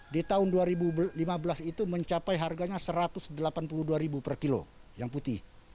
di tahun dua ribu lima belas itu mencapai harganya rp satu ratus delapan puluh dua per kilo yang putih